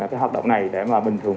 cái hoạt động này để mà bình thường